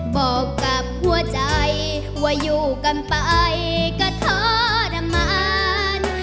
บอกกับหัวใจว่าอยู่กันไปก็ทรมาน